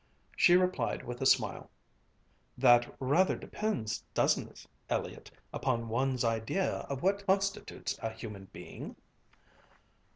She replied with a smile, "That rather depends, doesn't it, Elliott, upon one's idea of what constitutes a human being?"